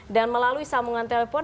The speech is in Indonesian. dan melalui sambungan telepon